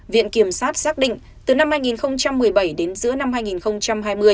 viện kiểm sát xác định từ năm hai nghìn một mươi bảy đến giữa năm hai nghìn hai mươi